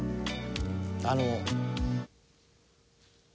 あの。